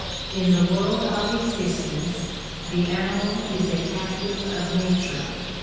In the world of existence the animal is a captive of nature.